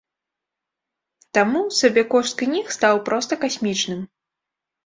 Таму сабекошт кніг стаў проста касмічным.